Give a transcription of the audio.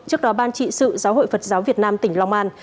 trước đó ban trị sự giáo hội phật giáo việt nam tỉnh long an